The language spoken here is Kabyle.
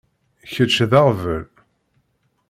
Kečč d aɣbel.